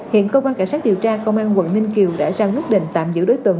hiện cơ quan cảnh sát điều tra công an quận ninh kiều đã ra quyết định tạm giữ đối tượng